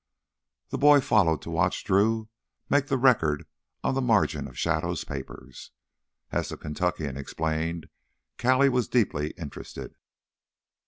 The boy followed to watch Drew make the record on the margin of Shadow's papers. As the Kentuckian explained, Callie was deeply interested.